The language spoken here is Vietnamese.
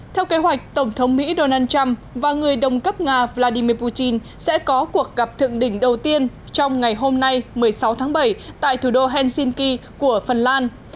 theo kế hoạch tổng thống mỹ donald trump và người đồng cấp nga vladimir putin sẽ có cuộc gặp thượng đỉnh đầu tiên trong ngày hôm nay một mươi sáu tháng bảy tại thủ đô helsinki của phần lan